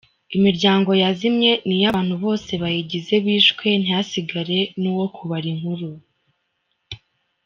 Imiryango yazimye ni iyo abantu bose bayigize bishwe ntihasigare n’uwo kubara inkuru.